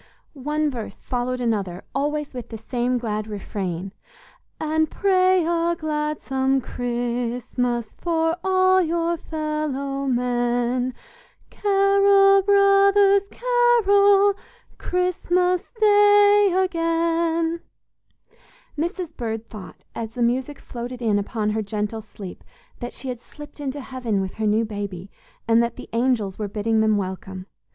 One verse followed another always with the same glad refrain: "And pray a gladsome Christmas For all your fellow men: Carol, brothers, carol, Christmas Day again." Mrs. Bird thought, as the music floated in upon her gentle sleep, that she had slipped into heaven with her new baby, and that the angels were bidding them welcome.